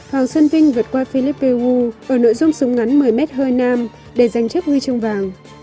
hoàng xuân vinh vượt qua philippe wu ở nội dung súng ngắn một mươi m hơi nam để giành chức ghi chương vàng